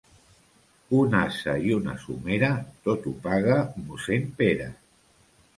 Un ase i una somera, tot ho paga mossèn Pere.